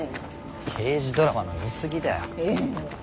刑事ドラマの見すぎだよ。